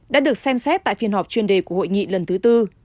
đã được xem xét tại phiên họp chuyên đề của hội nghị lần thứ tư